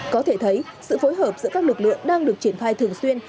có thể thấy sự phối hợp giữa các lực lượng đang được triển khai thường xuyên